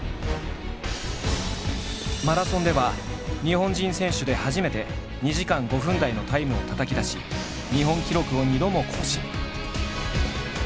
マラソンでは日本人選手で初めて２時間５分台のタイムをたたき出し日本記録を２度も更新。